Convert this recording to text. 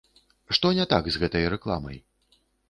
Што не так з гэтай рэкламай?